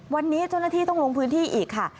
วันนี้เจ้าหน้าที่ต้องลงพื้นที่อีกค่ะ